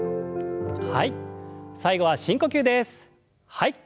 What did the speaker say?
はい。